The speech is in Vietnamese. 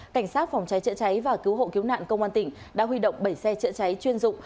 cảnh sát phòng cháy chữa cháy và cứu hộ cứu nạn công an tỉnh đã huy động bảy xe chữa cháy chuyên dụng